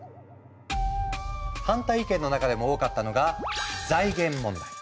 反対意見の中でも多かったのが財源問題。